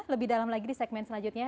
lebih dalam lagi di segmen selanjutnya